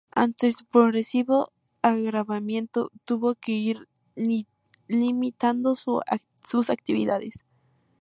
Ante su progresivo agravamiento, tuvo que ir limitando sus actividades.